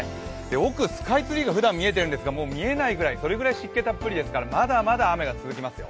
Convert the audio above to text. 奥、スカイツリーがふだん見えているんですが、見えないくらい湿気たっぷりですからまだまだ雨が続きますよ。